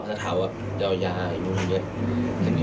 จะถามว่าจะเอายาอยู่อย่างนี้